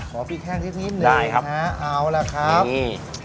ขอพริกแห้งนิดนิดหนึ่งนะได้ครับเอาล่ะครับนี่